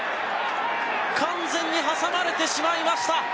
完全に挟まれてしまいました。